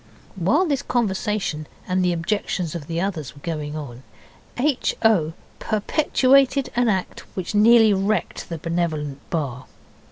While this conversation and the objections of the others were going on, H. O. perpetuated an act which nearly wrecked the Benevolent Bar.